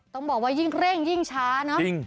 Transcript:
ต้องบอกว่ายิ่งเร่งยิ่งช้าเนอะ